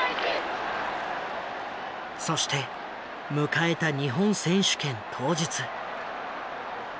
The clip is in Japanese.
そして迎えた日本選手権当日。